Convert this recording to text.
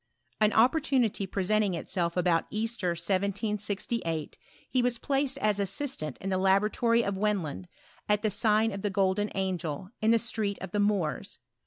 An opportunity presenting itself ■about Easter, 1768, he was placed as assistant in the laboratory of Wendland, at the sign of the Golden Angel, in the Street of the Moors.